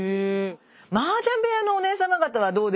マージャン部屋のおねえ様方はどうでしょう？